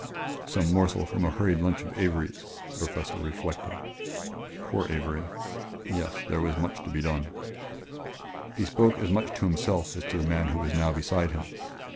Some morsel from a hurried lunch of Avery's, the Professor reflected poor Avery! Yes, there was much to be done. He spoke as much to himself as to the man who was now beside him.